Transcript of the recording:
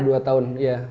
setelah dua tahun iya